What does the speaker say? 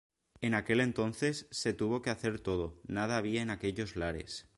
En aquel entonces se tuvo que hacer todo, nada había en aquellos lares.